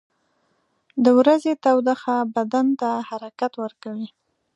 • د ورځې تودوخه بدن ته حرکت ورکوي.